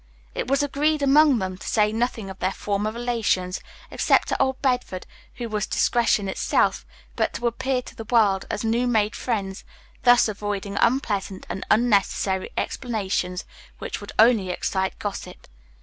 It was agreed among them to say nothing of their former relations, except to old Bedford, who was discretion itself, but to appear to the world as new made friends thus avoiding unpleasant and unnecessary explanations which would only excite gossip.